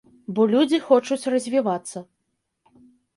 Бо людзі хочуць развівацца.